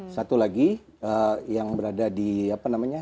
satu lagi yang berada di apa namanya